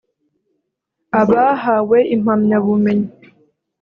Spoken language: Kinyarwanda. abahawe impamyabumenyi